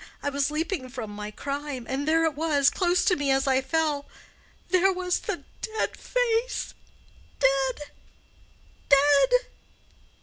I was leaping from my crime, and there it was—close to me as I fell—there was the dead face—dead, dead.